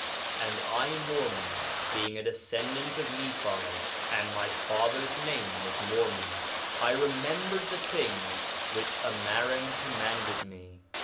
1:5 And I, Mormon, being a descendant of Nephi, (and my father's name was Mormon) I remembered the things which Ammaron commanded me.